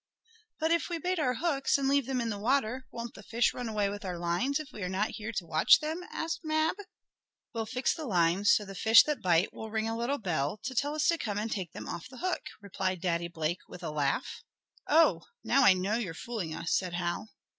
"But if we bait our hooks, and leave them in the water, won't the fish run away with our lines if we are not here to watch them?" asked Mab. "We'll fix the lines so the fish that bite will ring a little bell, to tell us to come and take them off the hook!" replied Daddy Blake with a laugh. "Oh, now I know you're fooling us!" said Hal.